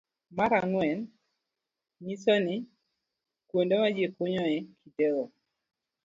Mar ang'wen nyiso ni; A. Kuonde ma ji kunyoe kitego